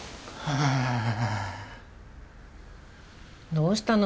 どうしたの？